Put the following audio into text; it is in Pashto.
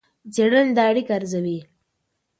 څېړنې دا اړیکه ارزوي.